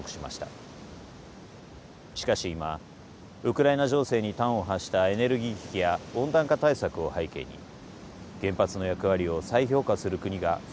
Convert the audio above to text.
しかし今ウクライナ情勢に端を発したエネルギー危機や温暖化対策を背景に原発の役割を再評価する国が増えてきています。